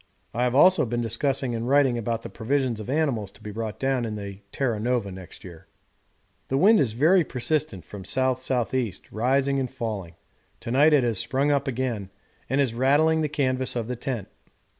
I have also been discussing and writing about the provisions of animals to be brought down in the Terra Nova next year. The wind is very persistent from the S.S.E., rising and falling; to night it has sprung up again, and is rattling the canvas of the tent.